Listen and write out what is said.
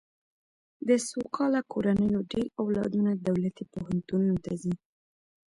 د سوکاله کورنیو ډېر اولادونه دولتي پوهنتونونو ته ځي.